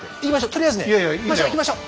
とりあえずね行きましょ行きましょ。